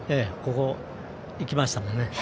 いきましたもんね。